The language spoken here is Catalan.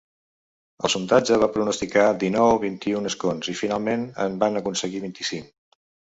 El sondatge va pronosticar dinou-vint-i-u escons i finalment en van aconseguir vint-i-cinc.